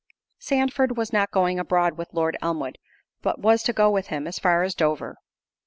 Sandford was not going abroad with Lord Elmwood, but was to go with him as far as Dover.